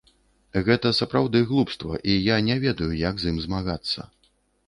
Гэта сапраўды глупства, і я не ведаю, як з ім змагацца.